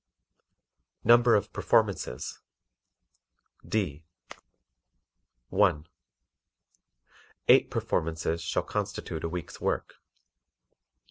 Number of Performances D. (1) Eight performances shall constitute a week's work.